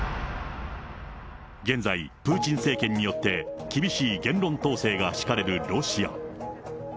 現在、プーチン政権によって、厳しい言論統制が敷かれるロシア。